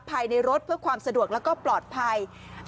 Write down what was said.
ภายในรถเพื่อความสะดวกแล้วก็ปลอดภัย